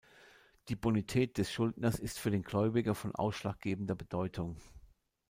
Die Bonität des Schuldners ist für den Gläubiger von ausschlaggebender Bedeutung.